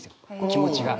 気持ちが。